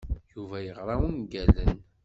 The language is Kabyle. Yuba yeɣra ungalen.